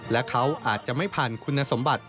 และเขาอาจจะไม่ผ่านคุณสมบัติ